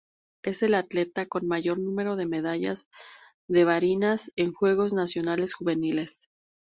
Es el atleta con mayor número de medallas de Barinas, en Juegos Nacionales Juveniles.